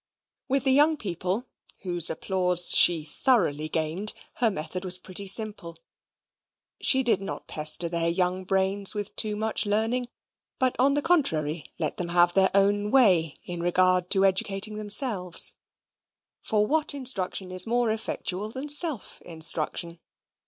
With the young people, whose applause she thoroughly gained, her method was pretty simple. She did not pester their young brains with too much learning, but, on the contrary, let them have their own way in regard to educating themselves; for what instruction is more effectual than self instruction?